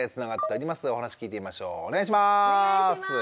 お願いします。